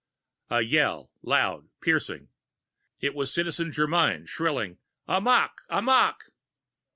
A yell loud, piercing. It was Citizen Germyn, shrilling: "Amok, amok!"